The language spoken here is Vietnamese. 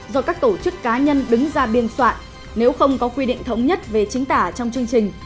do các tổ chức cá nhân đứng ra biên soạn nếu không có quy định thống nhất về chính tả trong chương trình